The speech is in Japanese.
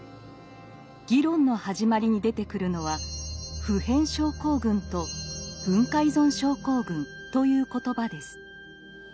議論の始まりに出てくるのは「普遍症候群」と「文化依存症候群」という言葉です。